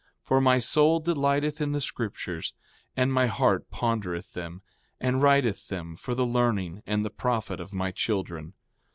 For my soul delighteth in the scriptures, and my heart pondereth them, and writeth them for the learning and the profit of my children.